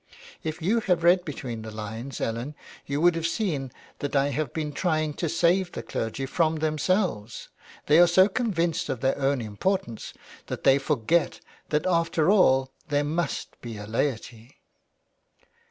"If you had read between the lines, Ellen, you would have seen that I have been trying to save the clergy from themselves. They are so convinced of their own importance that they forget that after all there must be a laity.''